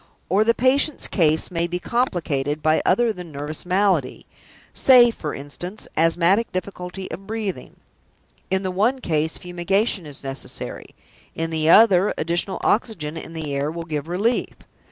Or the patient's case may be complicated by other than nervous malady say, for instance, asthmatic difficulty of breathing. In the one case, fumigation is necessary; in the other, additional oxygen in the air will give relief.